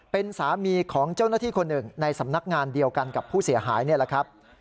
เป็นสามีของเจ้าหน้าที่คนหนึ่งในสำนักงานเดียวกันกับผู้เสียหายนี่แหละครับ